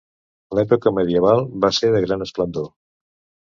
L’època medieval va ser de gran esplendor.